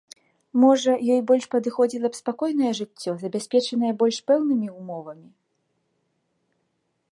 Можа, ёй больш падыходзіла б спакойнае жыццё, забяспечанае больш пэўнымі ўмовамі?